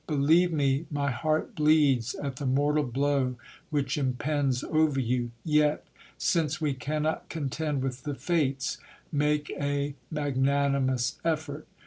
Believe me, my heart bleeds at the mortal blow which impends over you. Yet, since we cannot contend with the fates, make a magnanimous effort.